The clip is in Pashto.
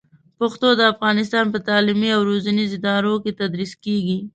پښتو د افغانستان په تعلیمي او روزنیزو ادارو کې تدریس کېږي.